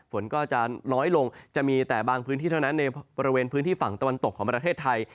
ฝนก็จะน้อยลงจะมีแต่บางพื้นที่เท่านั้นในบริเวณพื้นที่ฝั่งตะวันตกของประเทศไทย